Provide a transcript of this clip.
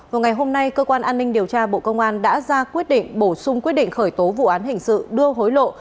vào ngày hôm nay cơ quan an ninh điều tra bộ công an đã ra quyết định bổ sung quyết định khởi tố vụ án hình sự đưa hối lộ